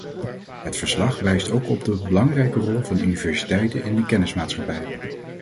Het verslag wijst ook op de belangrijke rol van universiteiten in de kennismaatschappij.